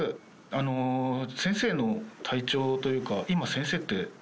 先生の体調というか、今、先生って。